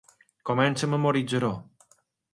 Comença a memoritzar-ho.